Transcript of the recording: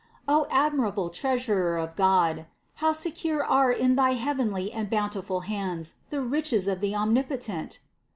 O, ad mirable Treasurer of God! How secure are in thy heav enly and bountiful hands the riches of the Omnipotent!